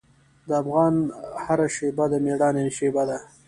د افغان هره شېبه د میړانې شېبه ده.